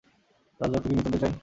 রাজরক্ত কি নিতান্তই চাই?